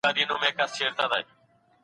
بې له منطقي پایلو څېړنه بریالۍ نه ګڼل کېږي.